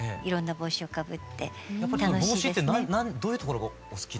帽子ってどういうところがお好きなんですか？